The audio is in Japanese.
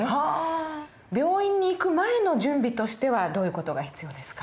病院に行く前の準備としてはどういう事が必要ですか？